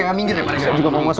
enggak minggir ya pak regar